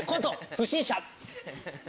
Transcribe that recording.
「不審者」。